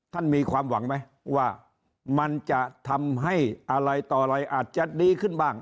มีความหวังไหมว่ามันจะทำให้อะไรต่ออะไรอาจจะดีขึ้นบ้าง